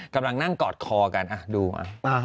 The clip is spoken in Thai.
กำลังนั่งกอดคอกันดู